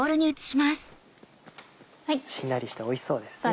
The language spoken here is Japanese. しんなりしておいしそうですね。